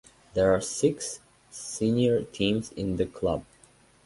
There are six senior teams in the club.